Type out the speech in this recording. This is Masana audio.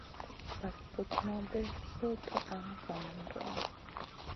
Bag putna bay soy tuwaʼa zaman duwaʼha.